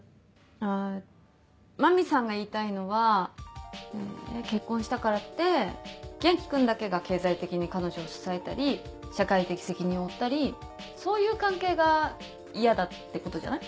麻美さんが言いたいのは結婚したからって元気君だけが経済的に彼女を支えたり社会的責任を負ったりそういう関係が嫌だってことじゃない？